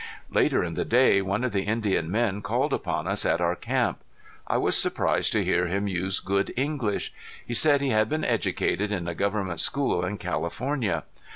Later in the day one of the Indian men called upon us at our camp. I was surprised to hear him use good English. He said he had been educated in a government school in California.